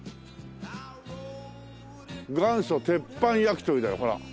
「元祖鉄板焼鳥」だよほら。